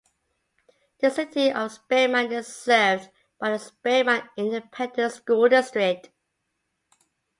The City of Spearman is served by the Spearman Independent School District.